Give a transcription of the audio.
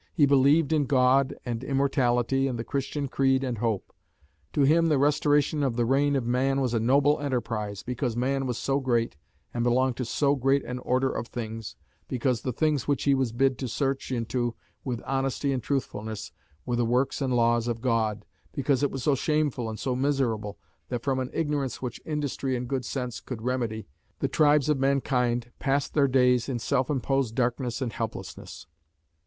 He believed in God and immortality and the Christian creed and hope. To him the restoration of the Reign of Man was a noble enterprise, because man was so great and belonged to so great an order of things, because the things which he was bid to search into with honesty and truthfulness were the works and laws of God, because it was so shameful and so miserable that from an ignorance which industry and good sense could remedy, the tribes of mankind passed their days in self imposed darkness and helplessness.